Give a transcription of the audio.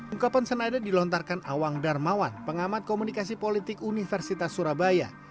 ungkapan senaida dilontarkan awang darmawan pengamat komunikasi politik universitas surabaya